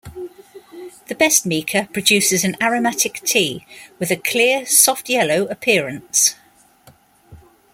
The best Mecha produces an aromatic tea with a clear, soft yellow appearance.